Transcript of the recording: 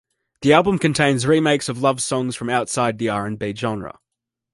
The album contains remakes of love songs from outside the R and B genre.